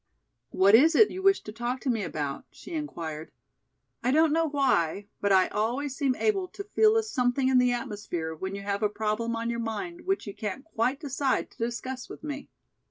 "What is it you wish to talk to me about?" she inquired. "I don't know why, but I always seem able to feel a something in the atmosphere when you have a problem on your mind which you can't quite decide to discuss with me."